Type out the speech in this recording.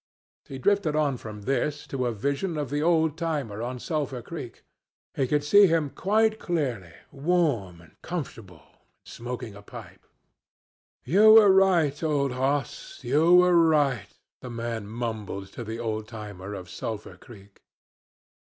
He drifted on from this to a vision of the old timer on Sulphur Creek. He could see him quite clearly, warm and comfortable, and smoking a pipe. "You were right, old hoss; you were right," the man mumbled to the old timer of Sulphur Creek.